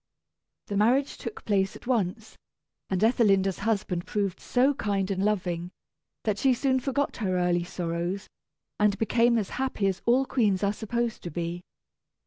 The marriage took place at once; and Ethelinda's husband proved so kind and loving, that she soon forgot her early sorrows, and became as happy as all queens are supposed to be.